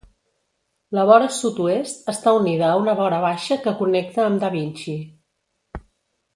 La vora sud-oest està unida a una vora baixa que connecta amb da Vinci.